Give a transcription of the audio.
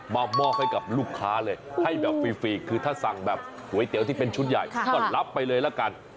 มอบให้กับลูกค้าเลยให้แบบฟรีคือถ้าสั่งแบบก๋วยเตี๋ยวที่เป็นชุดใหญ่ก็รับไปเลยละกัน